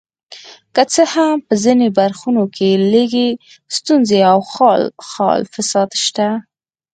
که څه هم په ځینو برخو کې لږې ستونزې او خال خال فساد شته.